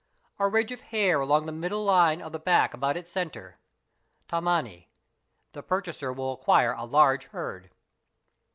A ridge of hair along the middle line of the back about its centre, (tamant) =the purchaser will acquire a large herd.